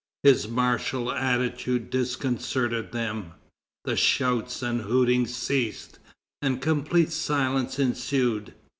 His martial attitude disconcerted them. The shouts and hootings ceased, and complete silence ensued.